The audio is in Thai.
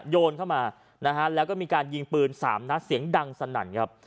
โยนเข้ามานะฮะแล้วก็มีการยิงปืน๓นัดเสียงดังสนั่นครับ